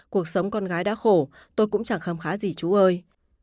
cuộc sống con gái đã khổ tôi cũng chẳng khâm khá gì chú ơi